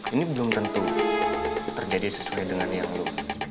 ini belum tentu terjadi sesuai dengan yang lo